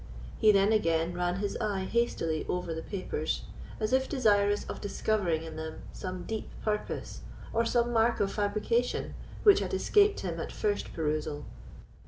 He then again ran his eye hastily over the papers, as if desirous of discovering in them some deep purpose, or some mark of fabrication, which had escaped him at first perusal.